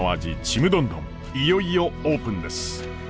ちむどんどんいよいよオープンです。